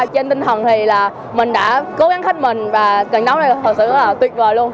cảm nghĩ của bạn về cái u hai mươi ba việt nam